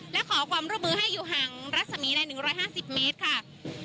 และขอความร่วมมือให้อยู่ห่างรัศมีใน๑๕๐เมตรค่ะ